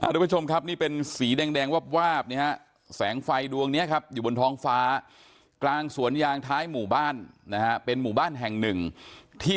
ตุ๊กตุ๊กตุ๊กตุ๊กตุ๊กตุ๊กตุ๊กตุ๊กตุ๊ก